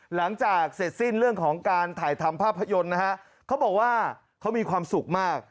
หลังจากเสร็จสิ้นเรื่องของการถ่ายทำภาพยนตร์นะฮะเขาบอกว่าเขามีความสุขมาก